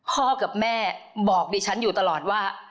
กับแม่บอกดิฉันอยู่ตลอดว่า